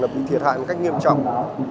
là bị thiệt hại một cách nghiêm trọng